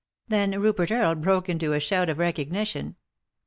Then Rnpert Earle broke into a shout of recog nition.